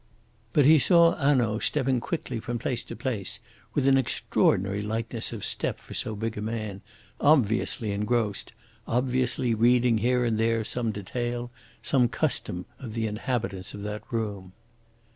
But he saw Hanaud stepping quickly from place to place, with an extraordinary lightness of step for so big a man, obviously engrossed, obviously reading here and there some detail, some custom of the inhabitants of that room.